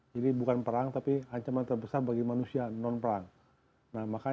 jadi bukan perang tapi ancaman terbesar bagaimana kita mengatakan